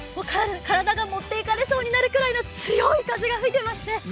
体がもっていかれそうになるくらいの強い風が吹いています。